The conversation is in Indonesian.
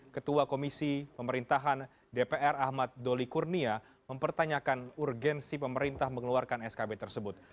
ketua komisi pemerintahan dpr ahmad doli kurnia mempertanyakan urgensi pemerintah mengeluarkan skb tersebut